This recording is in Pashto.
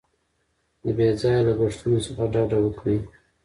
د بې ځایه لګښتونو څخه ډډه وکړئ.